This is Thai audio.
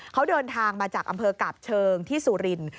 เขาเดินทางมาจากอำเภอกาบเชิงที่สุรินทร์